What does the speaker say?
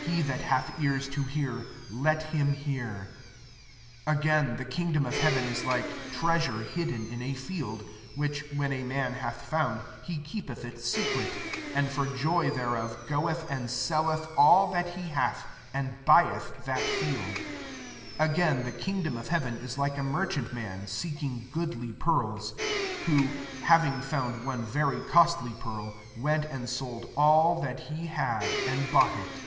He that hath ears to hear, let him hear. 44 "Again, the kingdom of heaven is like treasure hidden in a field ; which when a man bath found, he keepeth it se cret, and for joy thereof goeth and selleth all that he hath, and buyeth that field. 45 " Again, the kingdom of heaven is like a merchant man, seeking goodly pearls: 46 who, having found one very costly pearl, went and sold all all that he had and bought it.